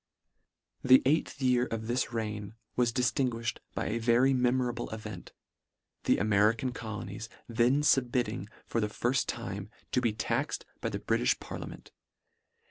" The eighth year of this reign was dif tinguifhed by a very memorable event, the American colonies then Submitting for the firft time, to be taxed by the Britifh parlia ment.